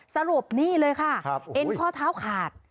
สรุปนี่เลยค่ะเอ็นข้อเท้าขาด